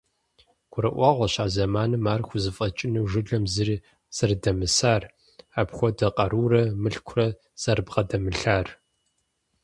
Гурыӏуэгъуэщ а зэманым ар хузэфӏэкӏыну жылэм зыри зэрыдэмысар, апхуэдэ къарурэ мылъкурэ зэрабгъэдэмылъар.